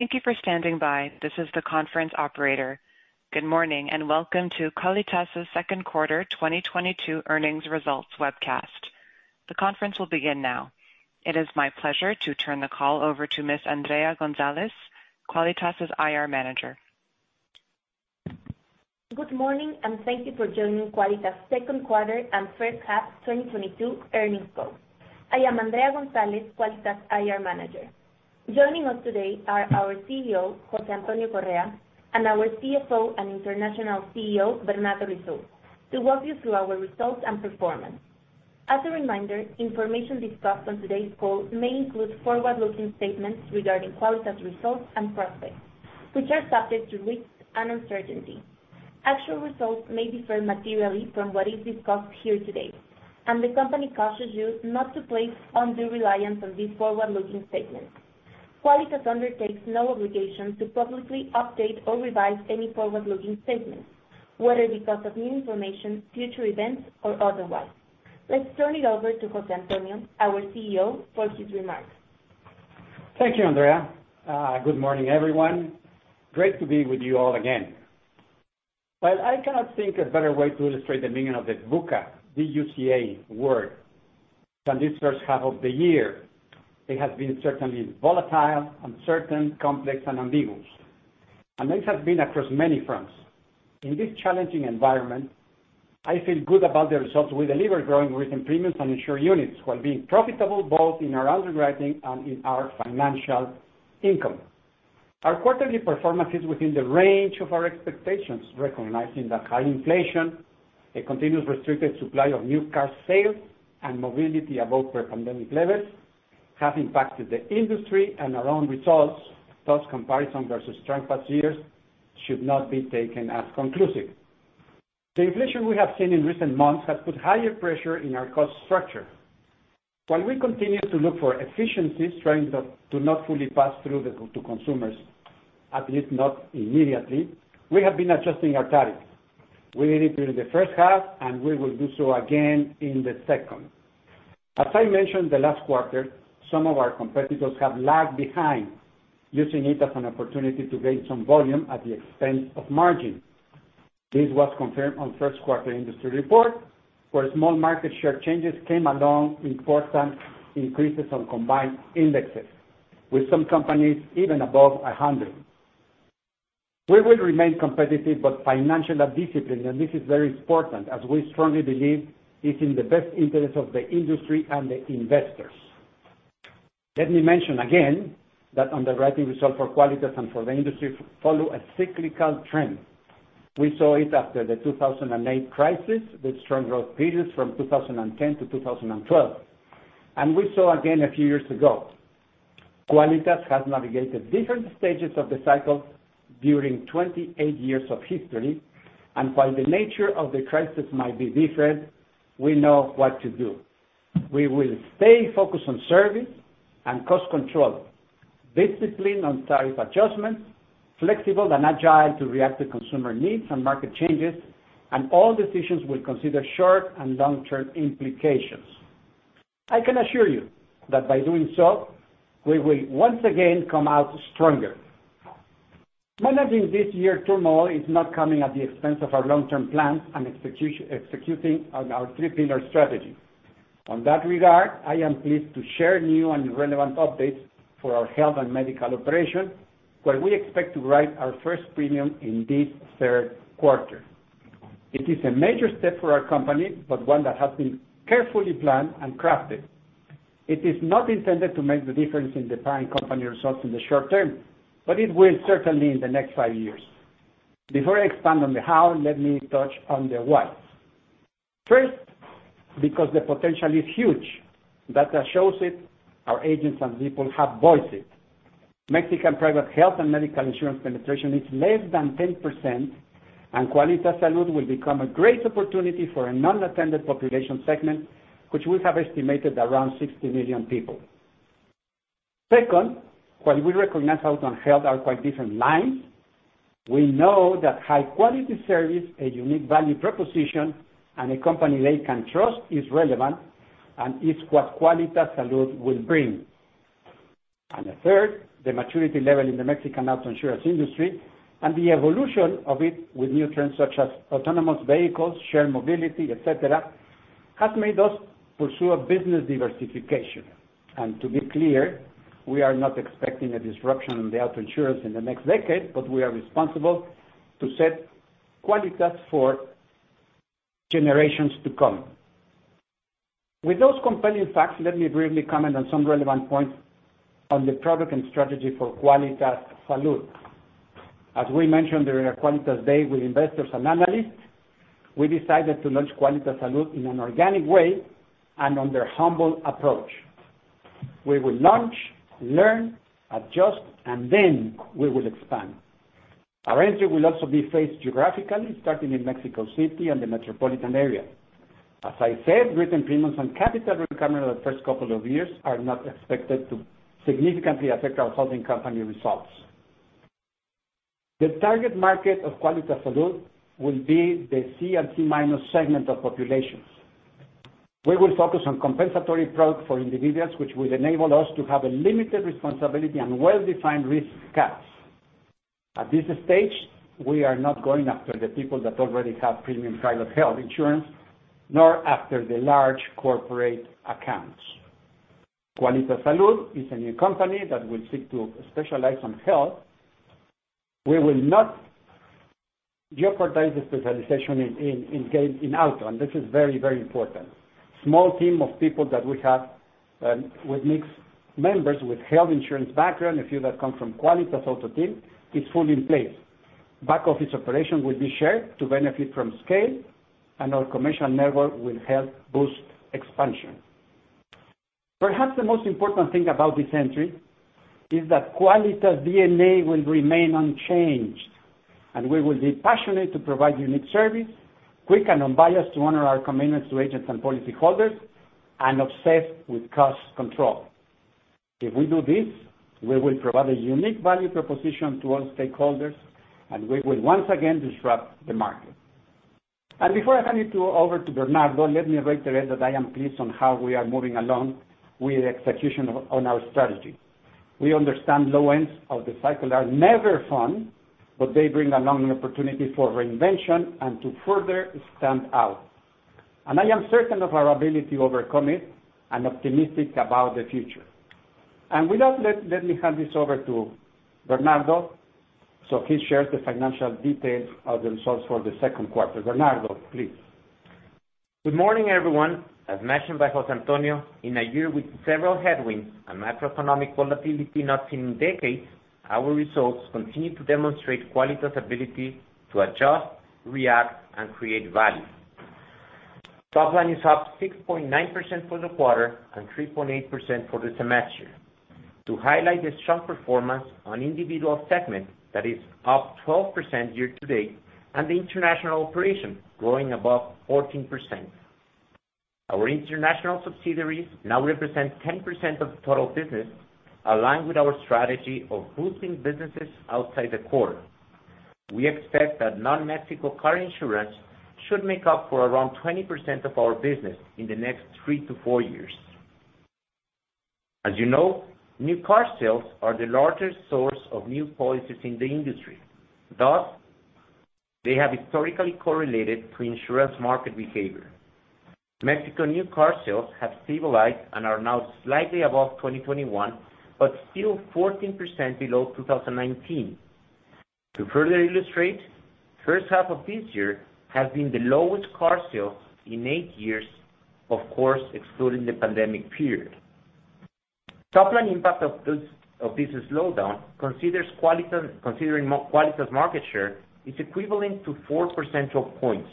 Thank you for standing by. This is the conference operator. Good morning, and welcome to Quálitas' second quarter 2022 earnings results webcast. The conference will begin now. It is my pleasure to turn the call over to Ms. Andrea Gonzalez, Quálitas' IR manager. Good morning, and thank you for joining Quálitas' second quarter and first half 2022 earnings call. I am Andrea Gonzalez, Quálitas IR Manager. Joining us today are our CEO, José Antonio Correa, and our CFO and International CEO, Bernardo Risoul, to walk you through our results and performance. As a reminder, information discussed on today's call may include forward-looking statements regarding Quálitas results and prospects, which are subject to risks and uncertainty. Actual results may differ materially from what is discussed here today, and the company cautions you not to place undue reliance on these forward-looking statements. Quálitas undertakes no obligation to publicly update or revise any forward-looking statements, whether because of new information, future events, or otherwise. Let's turn it over to José Antonio, our CEO, for his remarks. Thank you, Andrea. Good morning, everyone. Great to be with you all again. While I cannot think of a better way to illustrate the meaning of the VUCA, V-U-C-A word than this first half of the year, it has been certainly volatile, uncertain, complex, and ambiguous. This has been across many fronts. In this challenging environment, I feel good about the results we delivered growing written premiums and insured units while being profitable both in our underwriting and in our financial income. Our quarterly performance is within the range of our expectations, recognizing that high inflation, a continuous restricted supply of new car sales, and mobility above pre-pandemic levels have impacted the industry and our own results, thus comparison versus strong past years should not be taken as conclusive. The inflation we have seen in recent months has put higher pressure in our cost structure. While we continue to look for efficiencies, trying to not fully pass through to consumers, at least not immediately, we have been adjusting our tariff. We did it during the first half, and we will do so again in the second. As I mentioned the last quarter, some of our competitors have lagged behind, using it as an opportunity to gain some volume at the expense of margin. This was confirmed on first quarter industry report, where small market share changes came along important increases on combined ratios, with some companies even above 100. We will remain competitive but financially disciplined, and this is very important as we strongly believe it's in the best interest of the industry and the investors. Let me mention again that underwriting results for Quálitas and for the industry follow a cyclical trend. We saw it after the 2008 crisis with strong growth periods from 2010 to 2012. We saw again a few years ago. Quálitas has navigated different stages of the cycle during 28 years of history, and while the nature of the crisis might be different, we know what to do. We will stay focused on service and cost control, disciplined on tariff adjustments, flexible and agile to react to consumer needs and market changes, and all decisions will consider short and long-term implications. I can assure you that by doing so, we will once again come out stronger. Managing this year turmoil is not coming at the expense of our long-term plans and executing on our three-pillar strategy. On that regard, I am pleased to share new and relevant updates for our health and medical operation, where we expect to write our first premium in this third quarter. It is a major step for our company, but one that has been carefully planned and crafted. It is not intended to make the difference in the parent company results in the short term, but it will certainly in the next five years. Before I expand on the how, let me touch on the why. First, because the potential is huge. Data shows it, our agents and people have voiced it. Mexican private health and medical insurance penetration is less than 10%, and Quálitas Salud will become a great opportunity for an unattended population segment, which we have estimated around 60 million people. Second, while we recognize auto and health are quite different lines, we know that high quality service, a unique value proposition, and a company they can trust is relevant and is what Quálitas Salud will bring. The third, the maturity level in the Mexican auto insurance industry and the evolution of it with new trends such as autonomous vehicles, shared mobility, et cetera, has made us pursue a business diversification. To be clear, we are not expecting a disruption in the auto insurance in the next decade, but we are responsible to set Quálitas for generations to come. With those compelling facts, let me briefly comment on some relevant points on the product and strategy for Quálitas Salud. As we mentioned during our Quálitas Day with investors and analysts, we decided to launch Quálitas Salud in an organic way and under humble approach. We will launch, learn, adjust, and then we will expand. Our entry will also be phased geographically, starting in Mexico City and the metropolitan area. As I said, written premiums and capital requirement in the first couple of years are not expected to significantly affect our holding company results. The target market of Quálitas Salud will be the C and C minus segment of populations. We will focus on compensatory products for individuals which will enable us to have a limited responsibility and well-defined risk caps. At this stage, we are not going after the people that already have premium private health insurance, nor after the large corporate accounts. Quálitas Salud is a new company that will seek to specialize on health. We will not jeopardize the specialization in auto. This is very, very important. Small team of people that we have with mixed members with health insurance background, a few that come from Quálitas Auto team, is fully in place. Back office operation will be shared to benefit from scale, and our commercial network will help boost expansion. Perhaps the most important thing about this entry is that Quálitas DNA will remain unchanged, and we will be passionate to provide unique service, quick and unbiased to honor our commitments to agents and policyholders, and obsessed with cost control. If we do this, we will provide a unique value proposition to all stakeholders, and we will once again disrupt the market. Before I hand it over to Bernardo, let me reiterate that I am pleased on how we are moving along with execution on our strategy. We understand low ends of the cycle are never fun, but they bring along an opportunity for reinvention and to further stand out. I am certain of our ability to overcome it and optimistic about the future. With that, let me hand this over to Bernardo, so he shares the financial details of the results for the second quarter. Bernardo, please. Good morning, everyone. As mentioned by José Antonio, in a year with several headwinds and macroeconomic volatility not seen in decades, our results continue to demonstrate Quálitas' ability to adjust, react, and create value. Top line is up 6.9% for the quarter and 3.8% for the semester. To highlight the strong performance on individual segment, that is up 12% year to date, and the international operation growing above 14%. Our international subsidiaries now represent 10% of total business, aligned with our strategy of boosting businesses outside the core. We expect that non-Mexico car insurance should make up for around 20% of our business in the next three to four years. As you know, new car sales are the largest source of new policies in the industry, thus they have historically correlated to insurance market behavior. Mexican new car sales have stabilized and are now slightly above 2021, but still 14% below 2019. To further illustrate, first half of this year has been the lowest car sales in eight years, of course, excluding the pandemic period. Top line impact of this slowdown considering Quálitas market share is equivalent to four percentage points.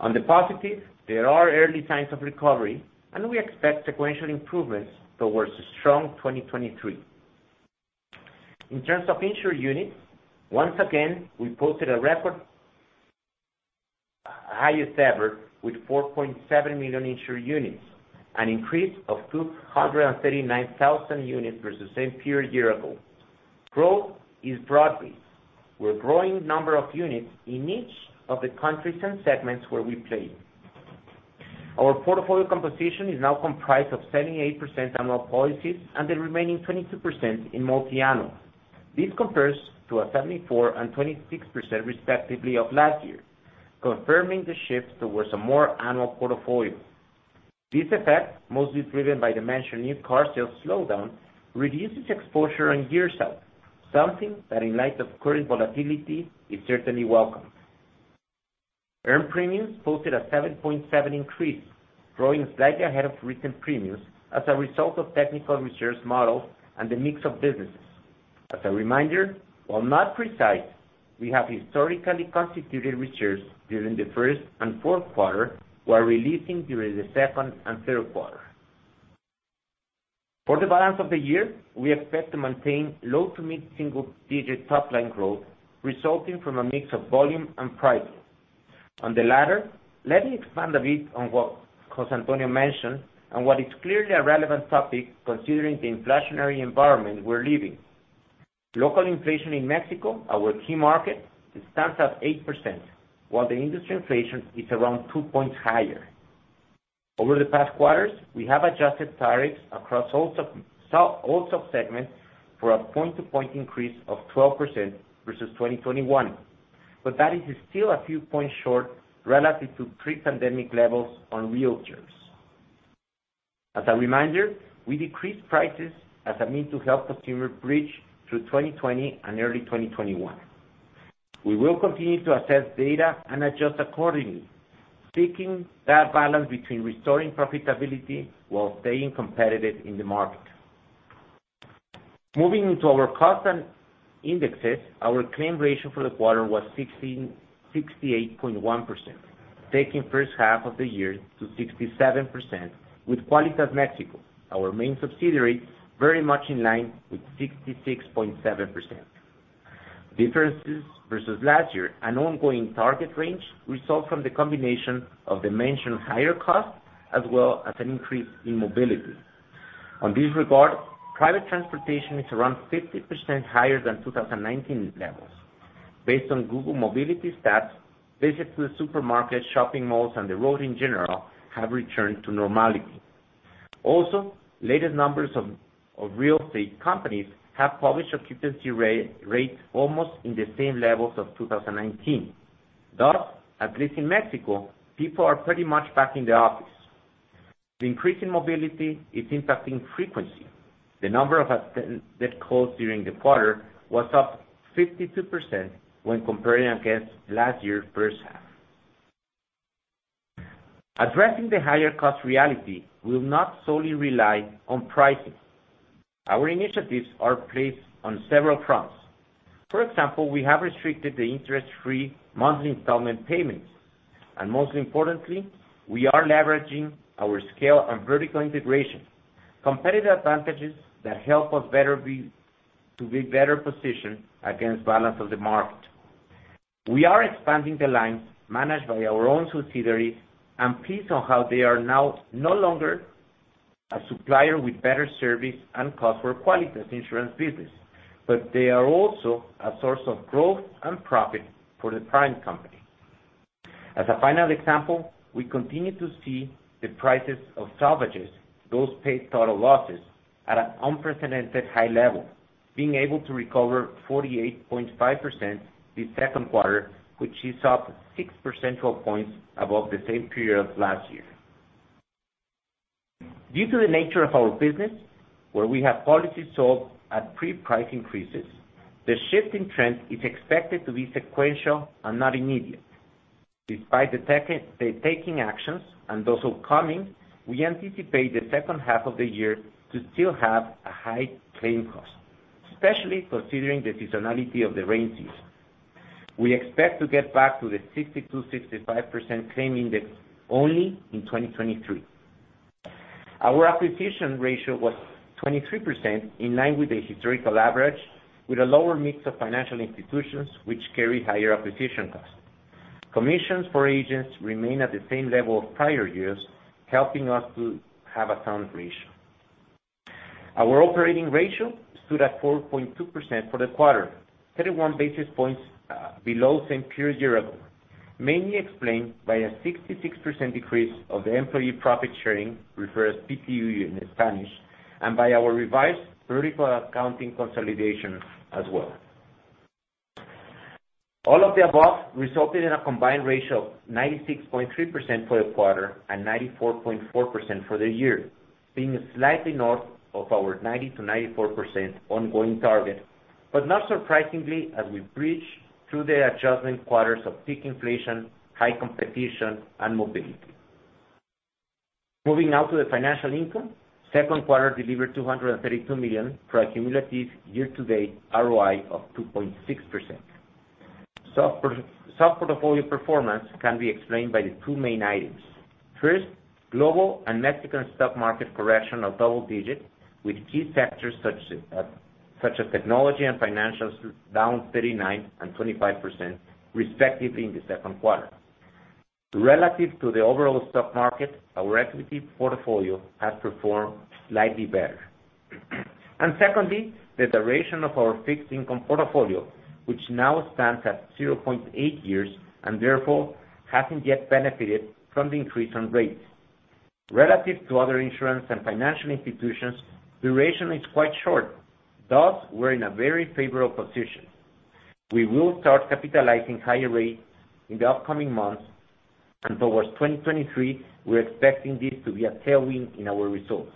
On the positive, there are early signs of recovery, and we expect sequential improvements towards a strong 2023. In terms of insured units, once again, we posted a record highest ever with 4.7 million insured units, an increase of 239,000 units versus same period year ago. Growth is broadly. We're growing number of units in each of the countries and segments where we play. Our portfolio composition is now comprised of 78% annual policies and the remaining 22% in multi-annual. This compares to 74% and 26%, respectively, of last year, confirming the shift towards a more annual portfolio. This effect, mostly driven by the mentioned new car sales slowdown, reduces exposure in new sales, something that in light of current volatility is certainly welcome. Earned premiums posted a 7.7% increase, growing slightly ahead of written premiums as a result of technical reserves model and the mix of businesses. As a reminder, while not precise, we have historically constituted reserves during the first and fourth quarter, while releasing during the second and third quarter. For the balance of the year, we expect to maintain low to mid single digit top line growth resulting from a mix of volume and pricing. On the latter, let me expand a bit on what José Antonio mentioned and what is clearly a relevant topic considering the inflationary environment we're living. Local inflation in Mexico, our key market, it stands at 8%, while the industry inflation is around two points higher. Over the past quarters, we have adjusted tariffs across all subsegments for a point to point increase of 12% versus 2021. That is still a few points short relative to pre-pandemic levels on real terms. As a reminder, we decreased prices as a means to help consumers bridge through 2020 and early 2021. We will continue to assess data and adjust accordingly, seeking that balance between restoring profitability while staying competitive in the market. Moving into our costs and indices, our claim ratio for the quarter was 68.1%, taking first half of the year to 67% with Quálitas México, our main subsidiary, very much in line with 66.7%. Differences versus last year and ongoing target range result from the combination of the mentioned higher costs as well as an increase in mobility. In this regard, private transportation is around 50% higher than 2019 levels. Based on Google Mobility stats, visits to the supermarket, shopping malls and the road in general have returned to normality. Also, latest numbers of real estate companies have published occupancy rate almost in the same levels of 2019. Thus, at least in Mexico, people are pretty much back in the office. The increase in mobility is impacting frequency. The number of agents that closed during the quarter was up 52% when comparing against last year's first half. Addressing the higher cost reality will not solely rely on pricing. Our initiatives are placed on several fronts. For example, we have restricted the interest-free monthly installment payments. Most importantly, we are leveraging our scale and vertical integration, competitive advantages that help us to be better positioned against balance of the market. We are expanding the lines managed by our own subsidiary, and pleased with how they are now no longer a supplier with better service and cost for Quálitas insurance business, but they are also a source of growth and profit for the parent company. As a final example, we continue to see the prices of salvages, those paid total losses, at an unprecedented high level, being able to recover 48.5% this second quarter, which is up 6 percentage points above the same period last year. Due to the nature of our business, where we have policies sold at pre-price increases, the shift in trend is expected to be sequential and not immediate. Despite the taking actions and those who are coming, we anticipate the second half of the year to still have a high claim cost, especially considering the seasonality of the rainy season. We expect to get back to the 60%-65% claim index only in 2023. Our acquisition ratio was 23%, in line with the historical average, with a lower mix of financial institutions which carry higher acquisition costs. Commissions for agents remain at the same level of prior years, helping us to have a sound ratio. Our operating ratio stood at 4.2% for the quarter, 31 basis points below same period year ago, mainly explained by a 66% decrease of the employee profit sharing, referred as PTU in Spanish, and by our revised vertical accounting consolidation as well. All of the above resulted in a combined ratio of 96.3% for the quarter and 94.4% for the year, being slightly north of our 90%-94% ongoing target. Not surprisingly, as we breach through the adjustment quarters of peak inflation, high competition and mobility. Moving now to the financial income. Second quarter delivered 232 million for a cumulative year-to-date ROI of 2.6%. Stock portfolio performance can be explained by the two main items. First, global and Mexican stock market correction of double digits, with key sectors such as technology and financials down 39% and 25% respectively in the second quarter. Relative to the overall stock market, our equity portfolio has performed slightly better. Secondly, the duration of our fixed income portfolio, which now stands at 0.8 years and therefore hasn't yet benefited from the increase in rates. Relative to other insurance and financial institutions, duration is quite short. Thus, we're in a very favorable position. We will start capitalizing higher rates in the upcoming months, and towards 2023, we're expecting this to be a tailwind in our results.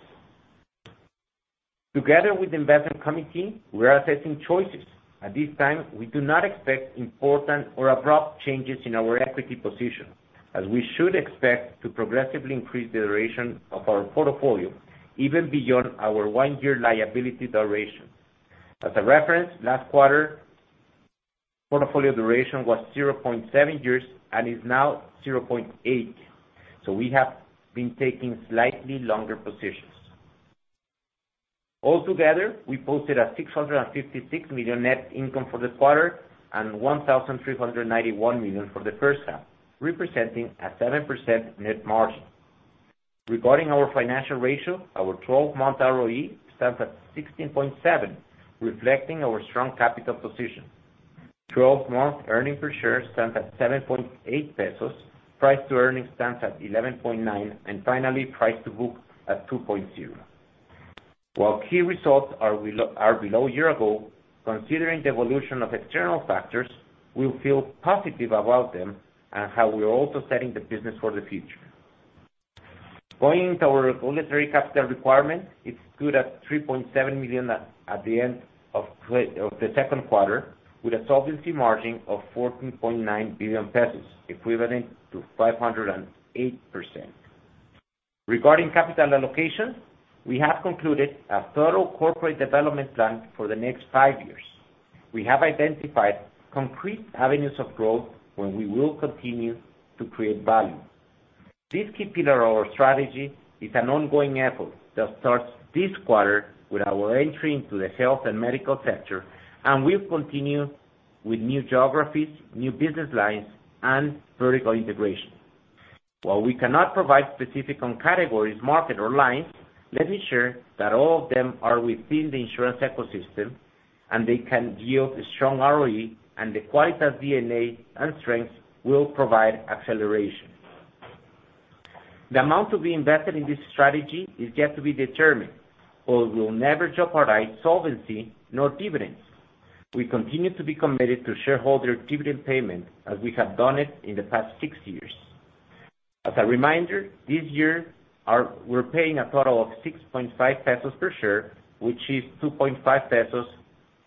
Together with investment committee, we are assessing choices. At this time, we do not expect important or abrupt changes in our equity position, as we should expect to progressively increase the duration of our portfolio even beyond our one-year liability duration. As a reference, last quarter portfolio duration was 0.7 years and is now 0.8. We have been taking slightly longer positions. Altogether, we posted 656 million net income for the quarter and 1,391 million for the first half, representing a 7% net margin. Regarding our financial ratio, our twelve-month ROE stands at 16.7, reflecting our strong capital position. Twelve-month earnings per share stands at 7.8 pesos. Price to earnings stands at 11.9, and finally, price to book at 2.0. While key results are below year ago, considering the evolution of external factors, we feel positive about them and how we're also setting the business for the future. Going into our regulatory capital requirement, it stood at 3.7 million at the end of the second quarter, with a solvency margin of 14.9 billion pesos, equivalent to 508%. Regarding capital allocation, we have concluded a thorough corporate development plan for the next 5 years. We have identified concrete avenues of growth where we will continue to create value. This key pillar of our strategy is an ongoing effort that starts this quarter with our entry into the health and medical sector, and will continue with new geographies, new business lines, and vertical integration. While we cannot provide specifics on categories, markets or lines, let me share that all of them are within the insurance ecosystem and they can yield a strong ROE and the quality of our DNA and strength will provide acceleration. The amount to be invested in this strategy is yet to be determined, but we'll never jeopardize solvency nor dividends. We continue to be committed to shareholder dividend payment as we have done it in the past six years. As a reminder, this year we're paying a total of 6.5 pesos per share, which is 2.5 pesos,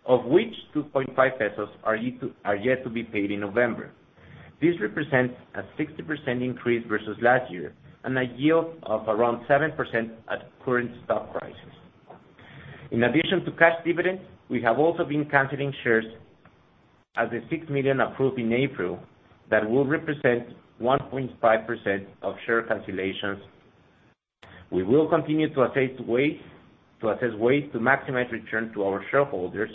of which 2.5 pesos are yet to be paid in November. This represents a 60% increase versus last year and a yield of around 7% at current stock prices. In addition to cash dividends, we have also been canceling shares as the 6 million approved in April that will represent 1.5% of share cancellations. We will continue to assess ways to maximize return to our shareholders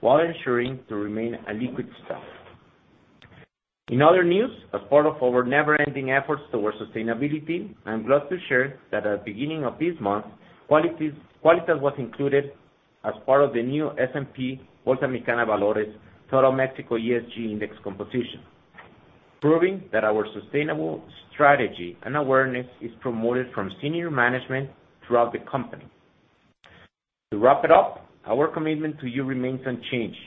while ensuring to remain a liquid stock. In other news, as part of our never ending efforts towards sustainability, I'm glad to share that at the beginning of this month, Quálitas was included as part of the new S&P/BMV Total Mexico ESG Index composition, proving that our sustainable strategy and awareness is promoted from senior management throughout the company. To wrap it up, our commitment to you remains unchanged.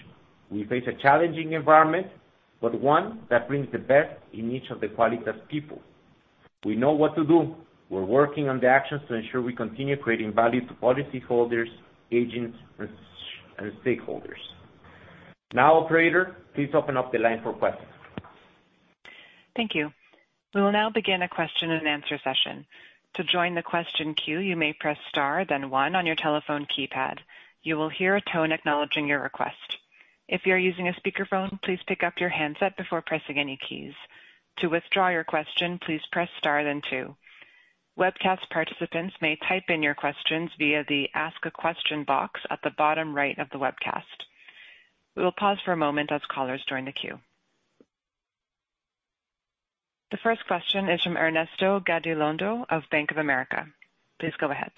We face a challenging environment, but one that brings the best in each of the Quálitas people. We know what to do. We're working on the actions to ensure we continue creating value to policyholders, agents and stakeholders. Now, operator, please open up the line for questions. Thank you. We will now begin a question and answer session. To join the question queue, you may press star then one on your telephone keypad. You will hear a tone acknowledging your request. If you're using a speakerphone, please pick up your handset before pressing any keys. To withdraw your question, please press star then two. Webcast participants may type in your questions via the ask a question box at the bottom right of the webcast. We will pause for a moment as callers join the queue. The first question is from Ernesto Gabilondo of Bank of America. Please go ahead.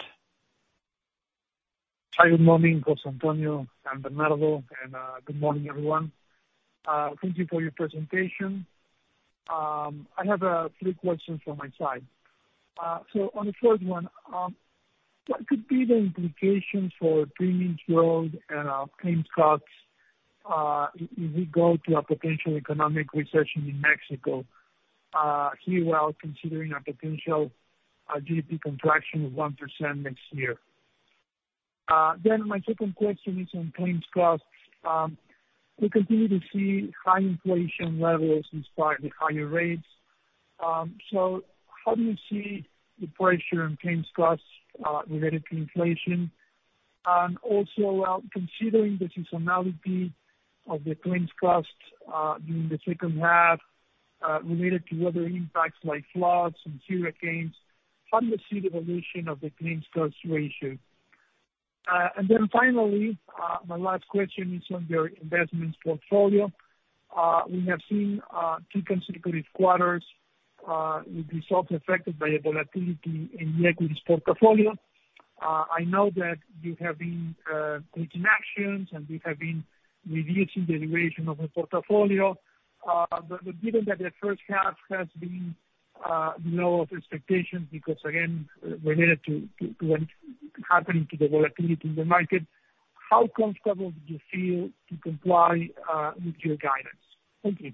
Hi, good morning, José Antonio and Bernardo, and good morning, everyone. Thank you for your presentation. I have three questions from my side. On the first one, what could be the implications for premiums growth and claims costs, if we go to a potential economic recession in Mexico, here while considering a potential GDP contraction of 1% next year? My second question is on claims costs. We continue to see high inflation levels in spite of higher rates. How do you see the pressure on claims costs related to inflation? And also, considering the seasonality of the claims costs during the second half related to weather impacts like floods and hurricanes, how do you see the evolution of the claims cost ratio? Finally, my last question is on your investments portfolio. We have seen two consecutive quarters with results affected by volatility in the equities portfolio. I know that you have been taking actions and you have been reducing the duration of the portfolio. But given that the first half has been below expectations because again, related to what happened to the volatility in the market, how comfortable do you feel to comply with your guidance? Thank you.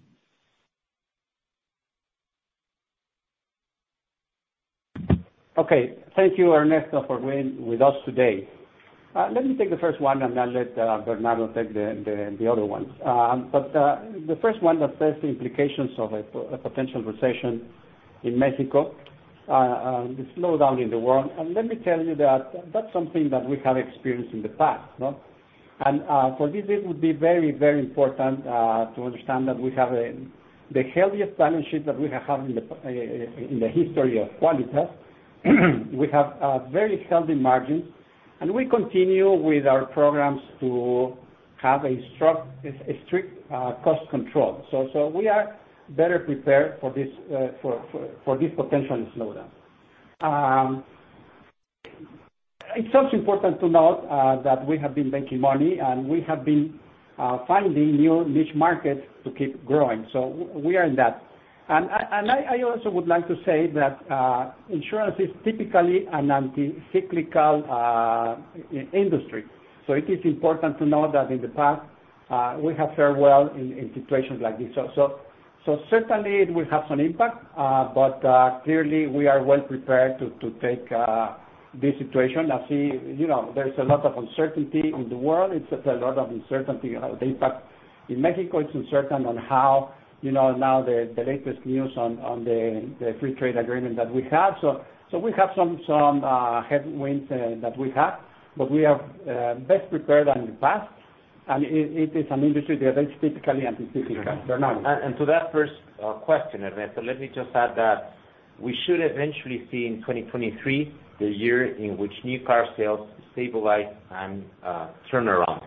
Okay. Thank you, Ernesto, for being with us today. Let me take the first one and then let Bernardo take the other ones. The first one assesses the implications of a potential recession in Mexico, the slowdown in the world. Let me tell you that that's something that we have experienced in the past, no? For this it would be very, very important to understand that we have the healthiest balance sheet that we have had in the history of Quálitas. We have very healthy margins, and we continue with our programs to have a strict cost control. We are better prepared for this potential slowdown. It's also important to note that we have been making money, and we have been finding new niche markets to keep growing. We are in that. I also would like to say that insurance is typically an anti-cyclical industry. It is important to know that in the past we have fared well in situations like this. Certainly it will have some impact, but clearly we are well prepared to take this situation and see, you know, there's a lot of uncertainty in the world. It's a lot of uncertainty of the impact in Mexico. It's uncertain on how, you know, now the latest news on the free trade agreement that we have. We have some headwinds that we have, but we are best prepared than in the past. It is an industry that is typically anti-cyclical. Bernardo Risoul. To that first question, Ernesto Gabilondo, let me just add that we should eventually see in 2023 the year in which new car sales stabilize and turn around.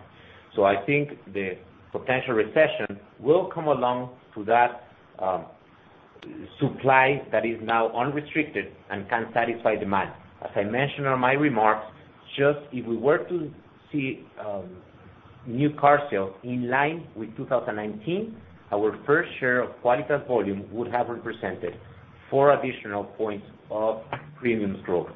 I think the potential recession will come along with that supply that is now unrestricted and can satisfy demand. As I mentioned in my remarks, just if we were to see new car sales in line with 2019, our first share of Quálitas and volume would have represented 4 additional points of premium growth.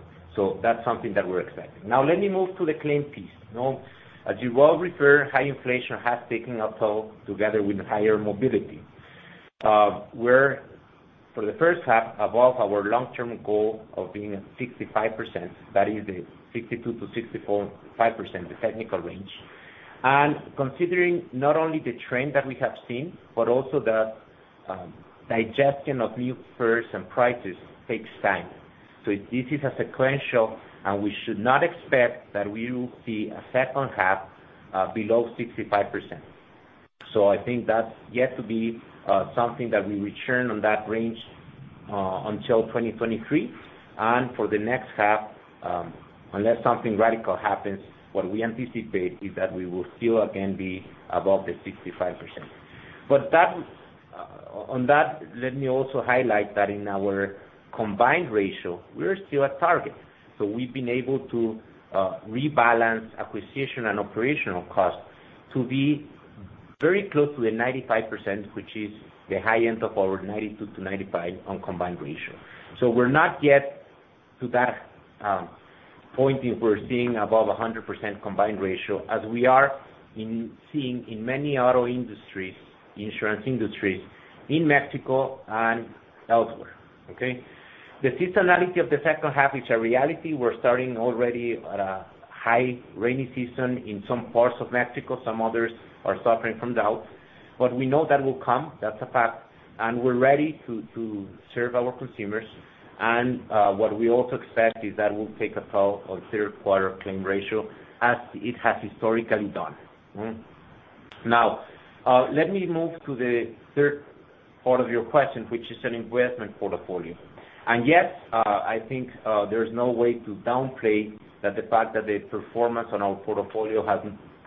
That's something that we're expecting. Now let me move to the claim piece. You know, as you well know, high inflation has taken a toll together with higher mobility. We're for the first half above our long-term goal of being at 65%, that is the 62%-64% or 65%, the technical range. Considering not only the trend that we have seen, but also the digestion of new fares and prices takes time. This is a sequential, and we should not expect that we will see a second half below 65%. I think that's yet to be something that we return to that range until 2023. For the next half, unless something radical happens, what we anticipate is that we will still again be above the 65%. On that, let me also highlight that in our combined ratio, we're still at target. We've been able to rebalance acquisition and operational costs to be very close to the 95%, which is the high end of our 92%-95% on combined ratio. We're not yet to that point, if we're seeing above 100% combined ratio, as we are seeing in many auto industries, insurance industries in Mexico and elsewhere. The seasonality of the second half is a reality. We're starting already at a high rainy season in some parts of Mexico, some others are suffering from drought. We know that will come, that's a fact, and we're ready to serve our consumers. What we also expect is that will take a toll on third quarter claim ratio as it has historically done. Now, let me move to the third part of your question, which is an investment portfolio. Yes, I think there's no way to downplay the fact that the performance on our portfolio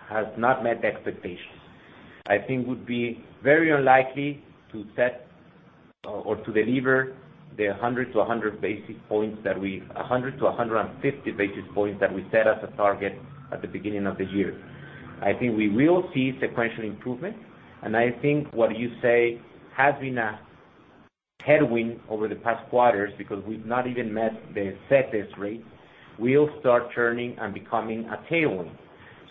has not met expectations. I think it would be very unlikely to set or to deliver the 100 to 150 basis points that we set as a target at the beginning of the year. I think we will see sequential improvement, and I think what you say has been a headwind over the past quarters because we've not even met the set rates. We'll start turning and becoming a tailwind.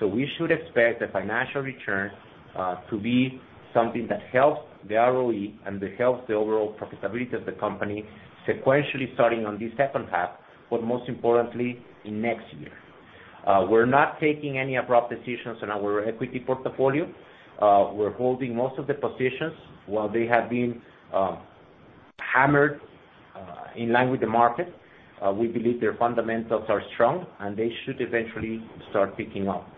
We should expect the financial return to be something that helps the ROE and that helps the overall profitability of the company sequentially starting on this second half, but most importantly in next year. We're not taking any abrupt decisions on our equity portfolio. We're holding most of the positions while they have been hammered in line with the market. We believe their fundamentals are strong, and they should eventually start picking up.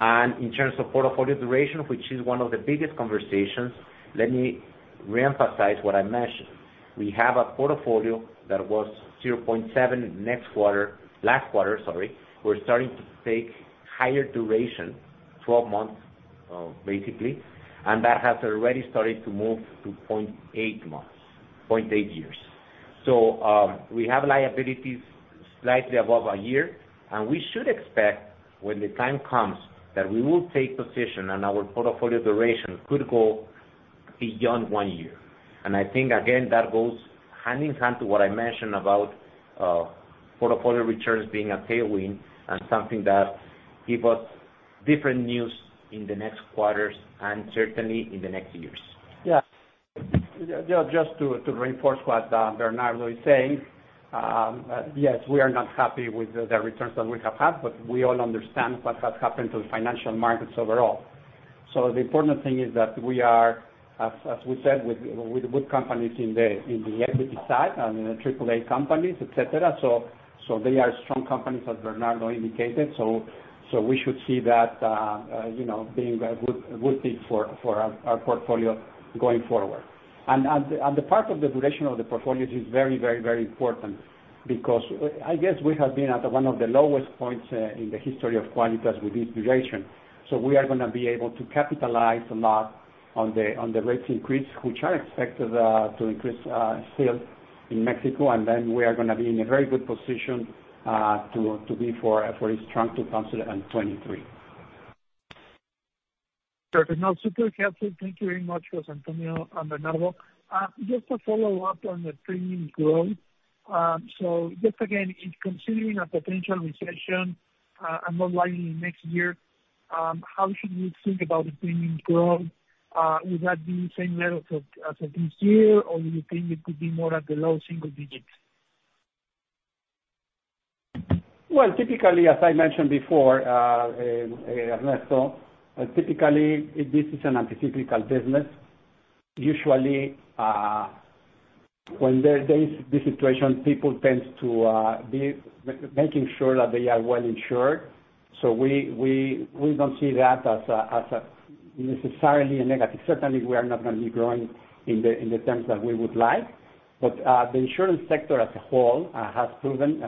In terms of portfolio duration, which is one of the biggest conversations, let me reemphasize what I mentioned. We have a portfolio that was 0.7 last quarter. We're starting to take higher duration, 12 months, basically, and that has already started to move to 0.8 months, 0.8 years. We have liabilities slightly above a year, and we should expect, when the time comes, that we will take position and our portfolio duration could go beyond 1 year. I think, again, that goes hand-in-hand to what I mentioned about, portfolio returns being a tailwind and something that give us different news in the next quarters and certainly in the next years. Yeah, just to reinforce what Bernardo is saying, yes, we are not happy with the returns that we have had, but we all understand what has happened to the financial markets overall. The important thing is that we are, as we said, with good companies in the equity side, triple A companies, et cetera. We should see that, you know, being a good fit for our portfolio going forward. The part of the duration of the portfolio is very important because I guess we have been at one of the lowest points in the history of Quálitas with this duration. We are gonna be able to capitalize a lot on the rates increase, which are expected to increase still in Mexico. Then we are gonna be in a very good position to be for a strong 2023. Perfect. Now, super helpful. Thank you very much, José Antonio and Bernardo. Just a follow-up on the premiums growth. In considering a potential recession, and more likely next year, how should we think about the premiums growth? Would that be the same level as of this year? Or do you think it could be more at the low single digits%? Well, typically, as I mentioned before, Ernesto, typically this is an atypical business. Usually, when there is this situation, people tend to be making sure that they are well insured. We don't see that as necessarily a negative. Certainly, we are not gonna be growing in the terms that we would like. The insurance sector as a whole has proven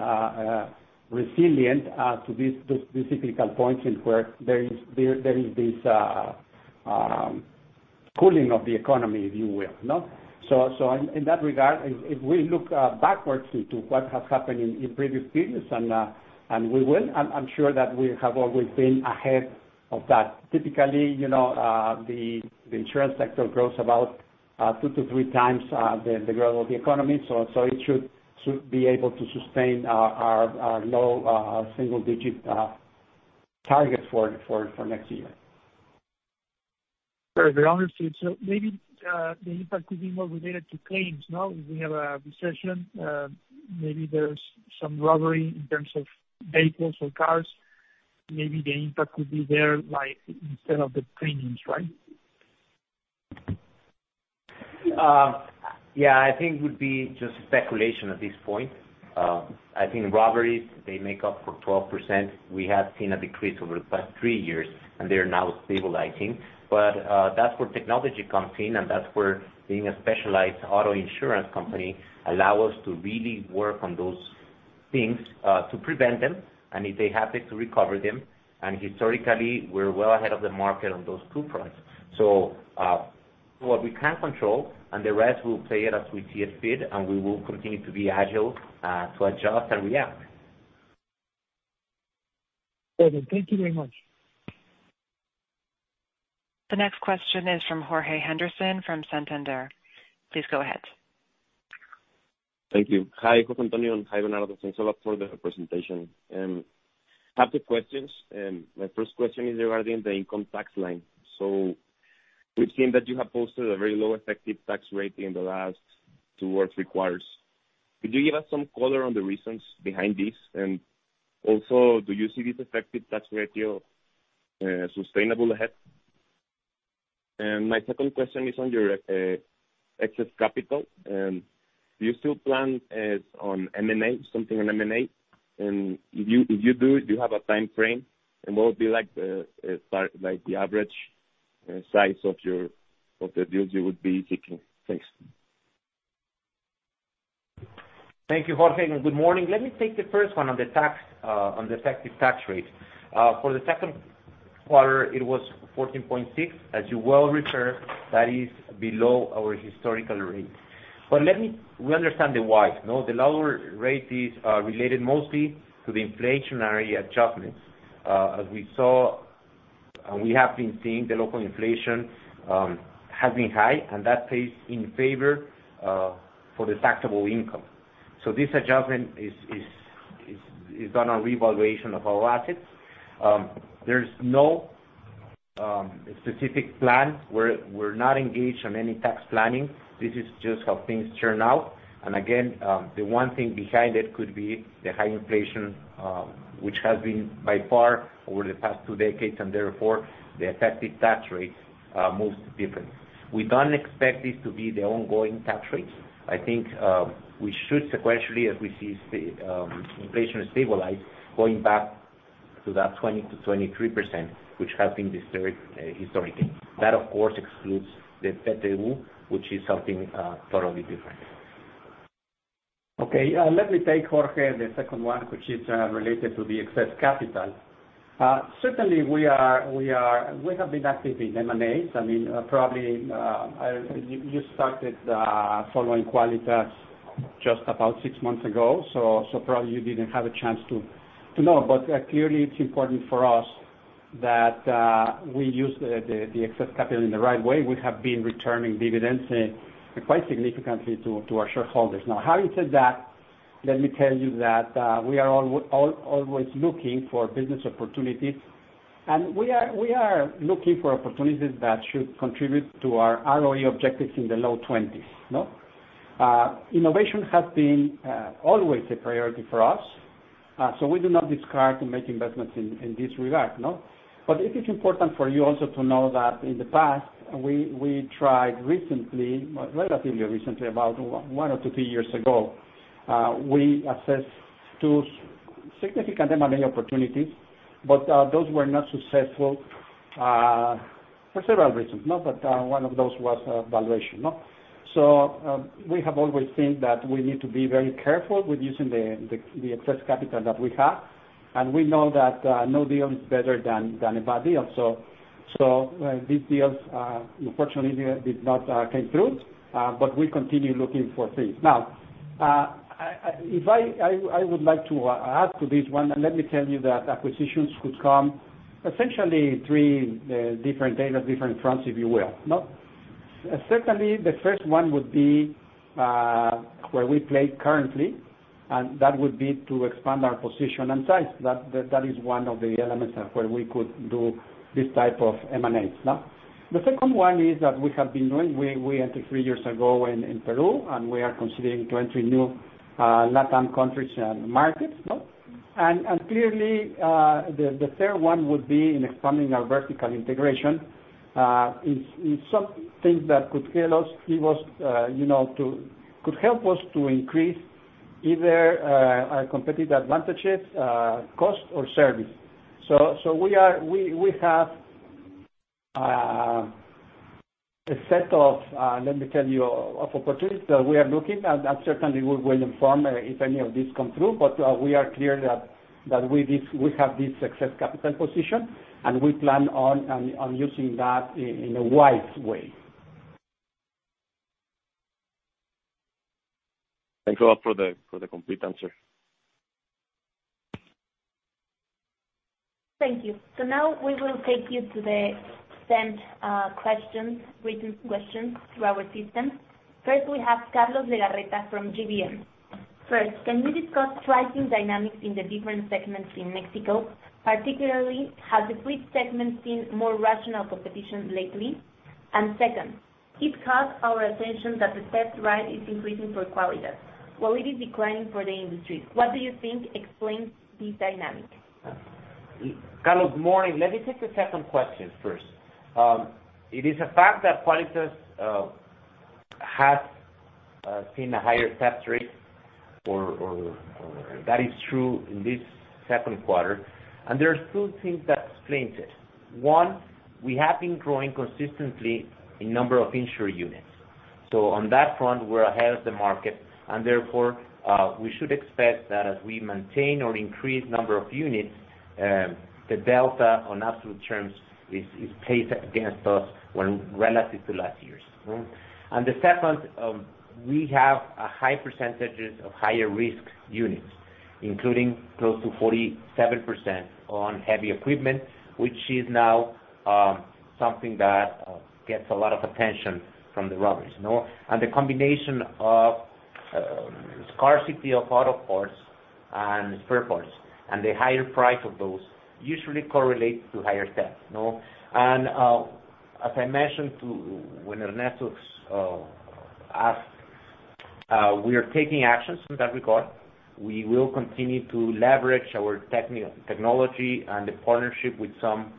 resilient to these cyclical points in where there is this cooling of the economy, if you will, no? In that regard, if we look backwards into what has happened in previous periods, and we will, I'm sure that we have always been ahead of that. Typically, you know, the insurance sector grows about two to three times the growth of the economy. It should be able to sustain our low single-digit targets for next year. Very well understood. Maybe, the impact could be more related to claims, no? If we have a recession, maybe there's some robbery in terms of vehicles or cars. Maybe the impact could be there, like instead of the premiums, right? Yeah, I think it would be just speculation at this point. I think robberies, they make up 12%. We have seen a decrease over the past 3 years, and they are now stabilizing. That's where technology comes in, and that's where being a specialized auto insurance company allow us to really work on those things, to prevent them, and if they happen, to recover them. Historically, we're well ahead of the market on those two fronts. What we can control and the rest we'll play it as we see it fit, and we will continue to be agile, to adjust and react. Okay, thank you very much. The next question is from Jorge Henderson from Santander. Please go ahead. Thank you. Hi, José Antonio, and hi, Bernardo. Thanks a lot for the presentation. I have the questions. My first question is regarding the income tax line. We've seen that you have posted a very low effective tax rate in the last two or three quarters. Could you give us some color on the reasons behind this? Also, do you see this effective tax rate sustainable ahead? My second question is on your excess capital. Do you still plan on M&A, something on M&A? If you do you have a time frame? What would be like the average size of the deals you would be seeking? Thanks. Thank you, Jorge, and good morning. Let me take the first one on the tax, on the effective tax rate. For the second quarter, it was 14.6%. As you well recall, that is below our historical rate. We understand the why, no? The lower rate is related mostly to the inflationary adjustments. As we saw, and we have been seeing, the local inflation has been high, and that plays in favor for the taxable income. This adjustment is done on revaluation of our assets. There's no specific plan. We're not engaged on any tax planning. This is just how things turn out. The one thing behind it could be the high inflation, which has been by far over the past two decades, and therefore the effective tax rate moves differently. We don't expect this to be the ongoing tax rate. I think, we should sequentially, as we see inflation stabilize, going back to that 20%-23%, which has been the third, historically. That of course excludes the PTU, which is something totally different. Okay, let me take, Jorge, the second one, which is related to the excess capital. Certainly we have been active in M&As. I mean, probably you started following Quálitas just about six months ago, so probably you didn't have a chance to know. Clearly it's important for us that we use the excess capital in the right way. We have been returning dividends and quite significantly to our shareholders. Now, having said that, let me tell you that we are always looking for business opportunities. We are looking for opportunities that should contribute to our ROE objectives in the low twenties, no? Innovation has been always a priority for us, so we do not hesitate to make investments in this regard, no? It is important for you also to know that in the past we tried recently, relatively recently, about one or two to three years ago, we assessed two significant M&A opportunities, but those were not successful for several reasons, no? One of those was valuation, no? We have always thought that we need to be very careful with using the excess capital that we have, and we know that no deal is better than a bad deal. These deals unfortunately did not come through, but we continue looking for things. Now, if I would like to add to this one, let me tell you that acquisitions could come essentially three different angles, different fronts, if you will, no? Certainly, the first one would be where we play currently, and that would be to expand our position and size. That is one of the elements of where we could do this type of M&A, no? The second one is that we have been doing, we entered three years ago in Peru, and we are considering to enter new LatAm countries and markets, no? Clearly, the third one would be in expanding our vertical integration. It's something that could help us to increase either our competitive advantages, cost or service. So we have a set of, let me tell you, opportunities that we are looking at. Certainly we will inform if any of these come through. We are clear that we have this excess capital position, and we plan on using that in a wise way. Thanks a lot for the complete answer. Thank you. Now we will take you to the written questions through our system. First, we have Carlos Legarreta from GBM. First, can you discuss pricing dynamics in the different segments in Mexico? Particularly, has the fleet segment seen more rational competition lately? And second, it caught our attention that the theft rate is increasing for Quálitas, while it is declining for the industry. What do you think explains this dynamic? Carlos, morning. Let me take the second question first. It is a fact that Quálitas has seen a higher theft rate or that is true in this second quarter. There are two things that explains it. One, we have been growing consistently in number of insured units. So on that front, we're ahead of the market, and therefore, we should expect that as we maintain or increase number of units, the delta on absolute terms is paced against us when relative to last year's. The second, we have a high percentages of higher risk units, including close to 47% on heavy equipment, which is now something that gets a lot of attention from the robbers, you know? The combination of scarcity of auto parts and spare parts and the higher price of those usually correlates to higher theft, you know? As I mentioned when Ernesto asked, we are taking actions in that regard. We will continue to leverage our technology and the partnership with some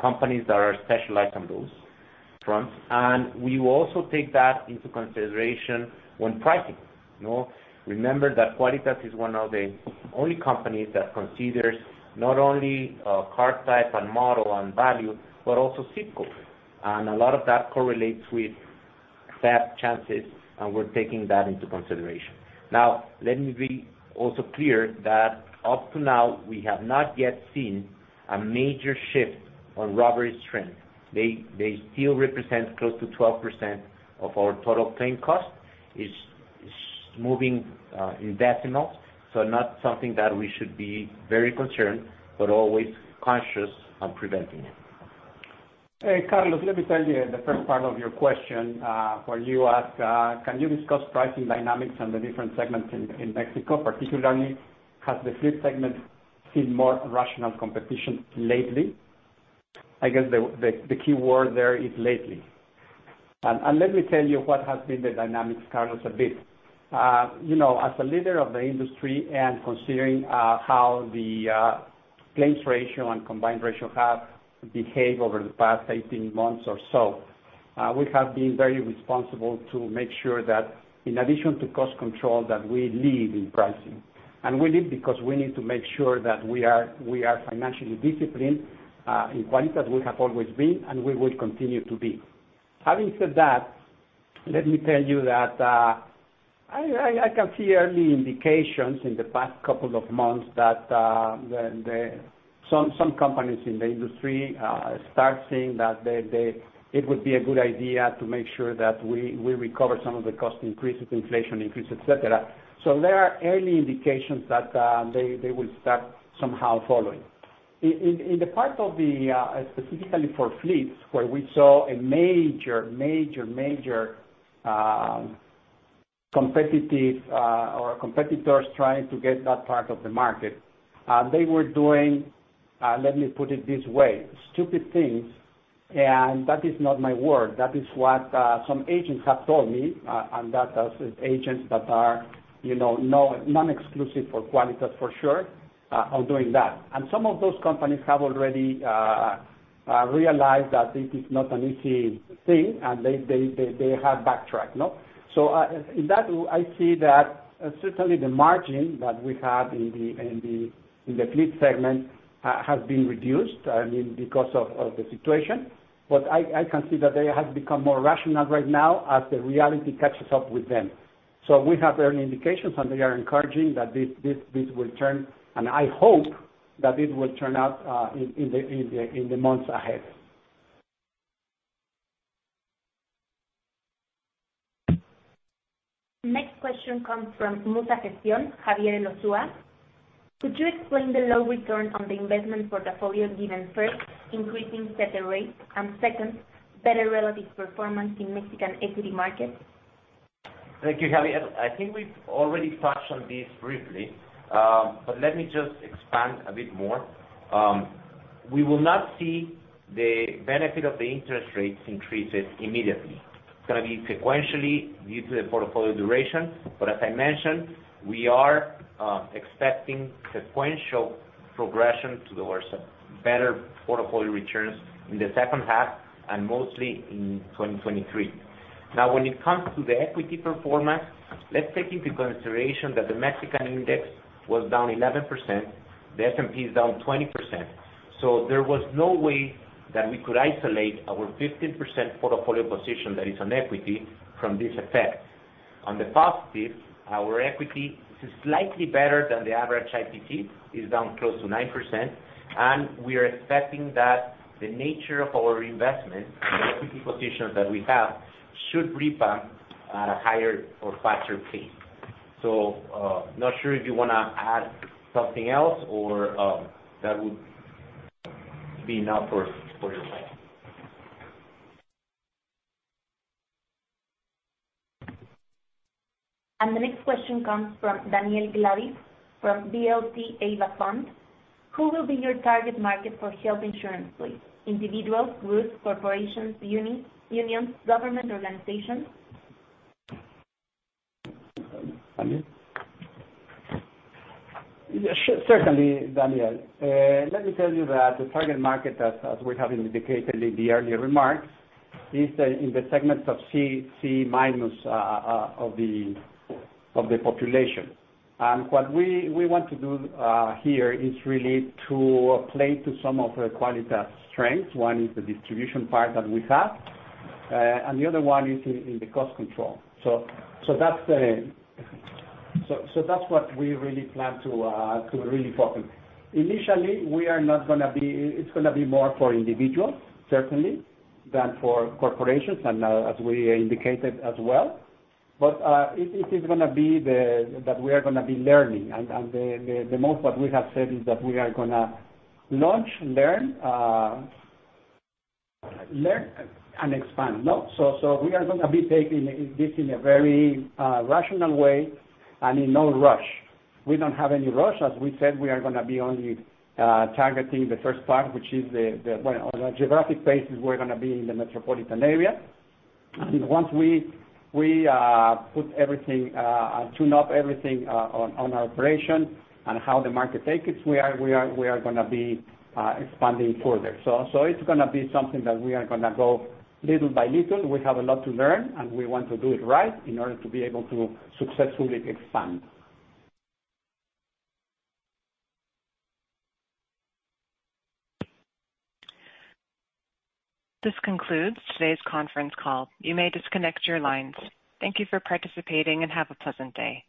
companies that are specialized on those fronts. We will also take that into consideration when pricing, you know? Remember that Quálitas is one of the only companies that considers not only car type and model and value, but also ZIP codes. A lot of that correlates with theft chances, and we're taking that into consideration. Now, let me be also clear that up to now, we have not yet seen a major shift on robbery trends. They still represent close to 12% of our total claim cost. It's moving in decimals, so not something that we should be very concerned, but always conscious on preventing it. Hey, Carlos, let me tell you the first part of your question, where you ask, can you discuss pricing dynamics on the different segments in Mexico, particularly has the fleet segment seen more rational competition lately? I guess the key word there is lately. Let me tell you what has been the dynamics, Carlos, a bit. You know, as a leader of the industry and considering how the claims ratio and combined ratio have behaved over the past 18 months or so, we have been very responsible to make sure that in addition to cost control, that we lead in pricing. We lead because we need to make sure that we are, we are financially disciplined, in Quálitas we have always been, and we will continue to be. Having said that, let me tell you that, I can see early indications in the past couple of months that some companies in the industry start seeing that they it would be a good idea to make sure that we recover some of the cost increases, inflation increase, et cetera. There are early indications that they will start somehow following. In the part of the specifically for fleets, where we saw a major competitive or competitors trying to get that part of the market, they were doing, let me put it this way, stupid things. That is not my word. That is what some agents have told me, and that is agents that are, you know, non-exclusive for Quálitas for sure, on doing that. Some of those companies have already realized that this is not an easy thing and they have backtracked, no? In that, I see that certainly the margin that we have in the fleet segment has been reduced, I mean, because of the situation. I can see that they have become more rational right now as the reality catches up with them. We have early indications, and they are encouraging that this will turn, and I hope that this will turn out in the months ahead. Next question comes from Muza Gestión, Javier Elosúa. Could you explain the low return on the investment for the portfolio, given, first, increasing interest rates, and second, better relative performance in Mexican equity markets? Thank you, Javier. I think we've already touched on this briefly, but let me just expand a bit more. We will not see the benefit of the interest rates increases immediately. It's gonna be sequentially due to the portfolio duration. As I mentioned, we are expecting sequential progression towards better portfolio returns in the second half and mostly in 2023. Now, when it comes to the equity performance, let's take into consideration that the Mexican index was down 11%, the S&P is down 20%. There was no way that we could isolate our 15% portfolio position that is on equity from this effect. On the positive, our equity is slightly better than the average IPC, is down close to 9%, and we are expecting that the nature of our investment equity position that we have should rebound at a higher or faster pace. Not sure if you wanna add something else or, that would be enough for your side. The next question comes from Daniel Gladiš from Vltava Fund. Who will be your target market for health insurance, please? Individuals, groups, corporations, unions, government organizations? Daniel? Yeah. Certainly, Daniel. Let me tell you that the target market as we have indicated in the earlier remarks is in the segment of C minus of the population. What we want to do here is really to play to some of the Quálitas strengths. One is the distribution part that we have and the other one is in the cost control. That's what we really plan to really focus. Initially, it's gonna be more for individuals, certainly, than for corporations and as we indicated as well. It is gonna be that we are gonna be learning. The most what we have said is that we are gonna launch, learn and expand. No? We are gonna be taking this in a very rational way and in no rush. We don't have any rush. As we said, we are gonna be only targeting the first part, which is, well, on a geographic basis, we're gonna be in the metropolitan area. Once we tune up everything on our operation and how the market takes it, we are gonna be expanding further. It's gonna be something that we are gonna go little by little. We have a lot to learn, and we want to do it right in order to be able to successfully expand. This concludes today's conference call. You may disconnect your lines. Thank you for participating and have a pleasant day.